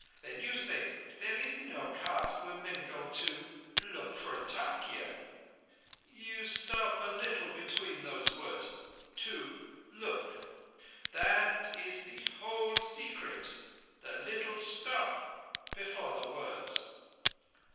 Then you say: 'There is no caste when men go to—look for tarkeean.' You stop a little between those words, 'to—look'. That is thee whole secret. The little stop before the words."